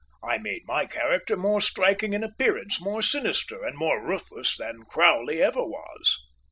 I made my character more striking in appearance, more sinister and more ruthless than Crowley ever was.